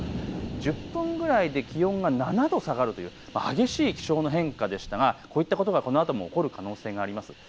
１０分くらいで気温が７度下がるという激しい気象の変化でしたがこういったことがこのあとも起こる可能性があります。